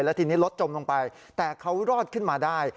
แล้วทีนี้รถจมลงไปแต่เขารอดขึ้นมาได้